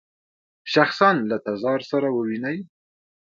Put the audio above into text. شخصاً له تزار سره وویني.